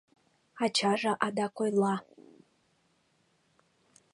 Ачаже адак ойла: